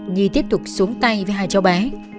nhi tiếp tục xuống tay với hai cháu bé